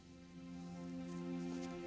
janganlah kau berguna